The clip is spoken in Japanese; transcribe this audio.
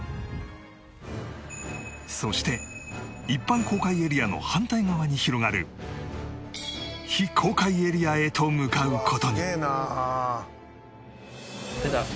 そして一般公開エリアの反対側に広がる非公開エリアへと向かう事に